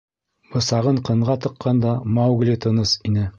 — Бысағын ҡынға тыҡҡанда Маугли тыныс ине.